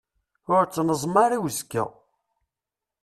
Ur ttneẓma ara i uzekka.